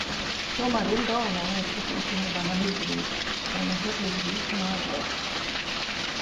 Tomēr ir galvenā lieta, kas īstenībā nav izdarīta, lai gan tas bija jūsu mājasdarbs.